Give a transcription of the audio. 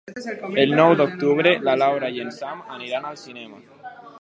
El nou d'octubre na Laura i en Sam aniran al cinema.